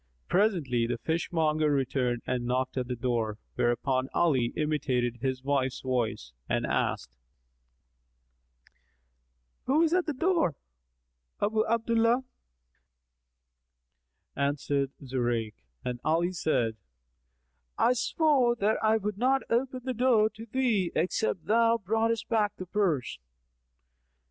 Presently, the fishmonger returned and knocked at the door, whereupon Ali imitated his wife's voice and asked, "Who is at the door?" "Abu Abdallah," answered Zurayk and Ali said, "I swore that I would not open the door to thee, except thou broughtest back the purse."